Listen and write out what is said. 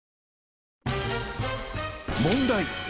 問題。